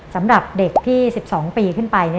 สำหรับเด็กที่๑๒ปีขึ้นไป